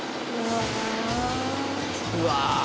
うわ！